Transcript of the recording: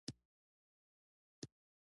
دښتې د هیوادوالو لپاره لوی ویاړ دی.